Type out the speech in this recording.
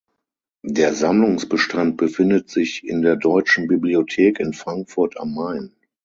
Der Sammlungsbestand befindet sich in der Deutschen Bibliothek in Frankfurt am Main.